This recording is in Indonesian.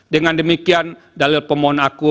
dengan demikian dalil pemohon aku